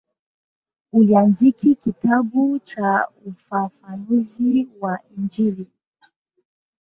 Aliandika kitabu cha ufafanuzi wa Injili.